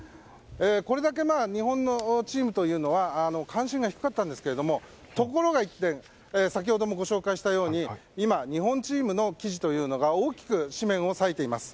これだけ日本のチームというのは関心が低かったんですけどところが一転先ほどもご紹介したように今、日本チームの記事が大きく紙面を割いています。